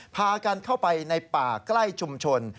พากันเข้าไปในป่าใกล้ชุมชน